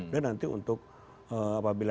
dan nanti untuk apabila